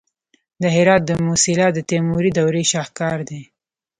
د هرات د موسیلا د تیموري دورې شاهکار دی